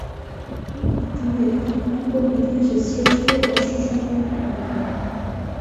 এটি চীনের চিত্রাঙ্কন ইতিহাসে শ্রেষ্ঠ অশ্ব-সংক্রান্ত অঙ্কন।